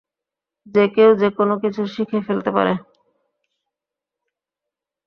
যে কেউ যেকোনো কিছু শিখে ফেলতে পারে।